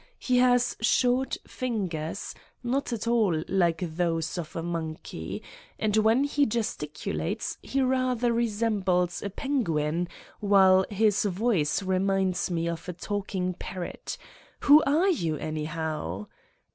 He has short fingers, not at all like those of a monkey, and when he gesticulates he rather resembles a 67 Satan's Diary penguin while his voice reminds me of a talking parrot Who are you, anyhow?